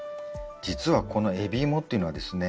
実はこの海老芋っていうのはですね